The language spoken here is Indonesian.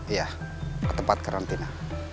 iya ke tempat karantina